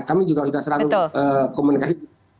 kami juga sering komunikasi